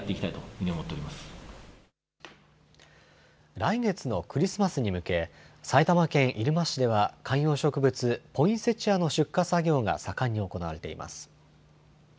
来月のクリスマスに向け、埼玉県入間市では、観葉植物、ポインセチアの出荷作業が盛んに行われています。